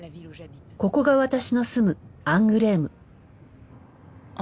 ここが私の住むアングレーム。